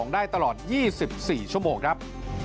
ได้ตลอด๒๔ชั่วโมงครับ